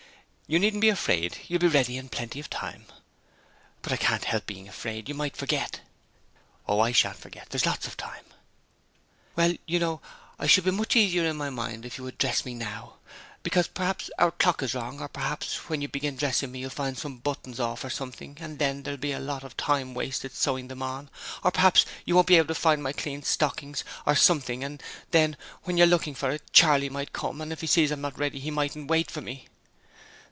You needn't be afraid; you'll be ready in plenty of time.' 'But I can't help being afraid; you might forget.' 'Oh, I shan't forget. There's lots of time.' 'Well, you know, I should be much easier in my mind if you would dress me now, because perhaps our clock's wrong, or p'r'aps when you begin dressing me you'll find some buttons off or something, and then there'll be a lot of time wasted sewing them on; or p'r'aps you won't be able to find my clean stockings or something and then while you're looking for it Charley might come, and if he sees I'm not ready he mightn't wait for me.'